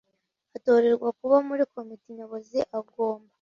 atorerwe kuba muri Komite Nyobozi agomba